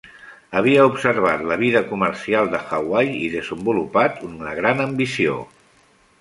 Havia observat la vida comercial de Hawaii i desenvolupat una gran ambició.